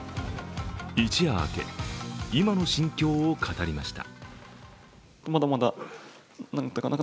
一夜明け、今の心境を語りました。